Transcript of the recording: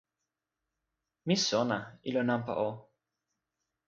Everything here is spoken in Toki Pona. mi sona, ilo nanpa o.